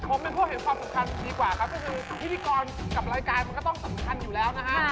ผมเป็นผู้เห็นความสำคัญดีกว่าครับก็คือพิธีกรกับรายการมันก็ต้องสำคัญอยู่แล้วนะฮะ